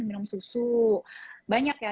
minum susu banyak ya